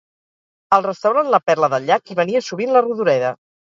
Al restaurant La perla del llac, hi venia sovint la Rodoreda.